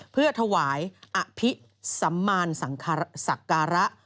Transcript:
เพื่อถวายอภิสัมมารสังการะ